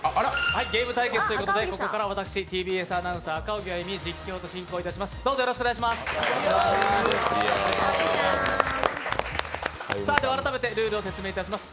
ゲーム対決ということでここからは私、ＴＢＳアナウンサー、赤荻歩、実況と進行をいたします。